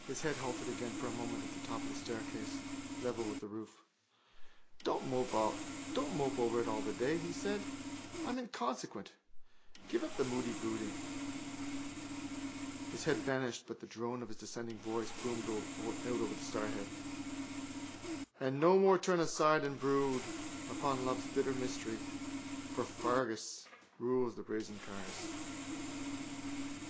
His head halted again for a moment at the top of the staircase, level with the roof: —Don't mope over it all day, he said. I'm inconsequent. Give up the moody brooding. His head vanished but the drone of his descending voice boomed out of the stairhead: And no more turn aside and brood Upon love's bitter mystery For Fergus rules the brazen cars.